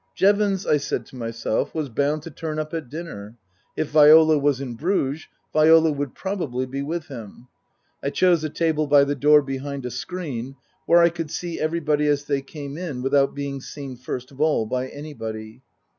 Jevons, I said to myself, was bound to turn up at dinner. If Viola was in Bruges, Viola would probably be with him. I chose a table by the door behind a screen, where I could see everybody as they came in without being seen first of all by anybody.